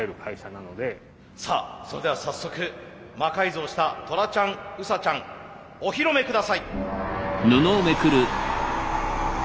さあそれでは早速魔改造したトラちゃんウサちゃんお披露目下さい。